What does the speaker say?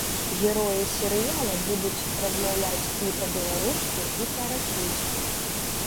Героі серыяла будуць размаўляць і па-беларуску, і па-расійску.